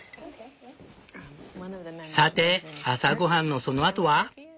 さて朝ごはんのそのあとは？